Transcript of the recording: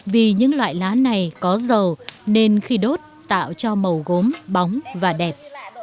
vì những loại lá này có dầu nên khi đốt tạo cho màu gốm bóng và đẹp